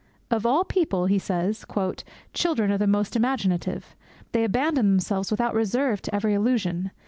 'Of all people,' he says, 'children are the most imaginative. They abandon themselves without reserve to every illusion.